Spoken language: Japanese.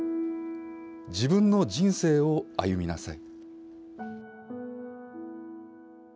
自分の人生を歩みなさい。